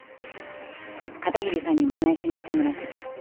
片桐さんにも内緒にしてもらってた。